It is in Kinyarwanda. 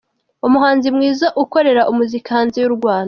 Umuhanzi mwiza ukorera umuziki hanze y'u Rwanda.